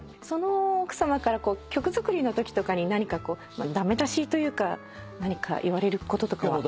その奥さまから曲作りのときとかに何か駄目出しというか何か言われることとか。